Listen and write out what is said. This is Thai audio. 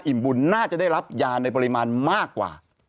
บุญน่าจะได้รับยาในปริมาณมากกว่า